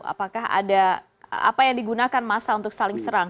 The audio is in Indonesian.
apakah ada apa yang digunakan masa untuk saling serang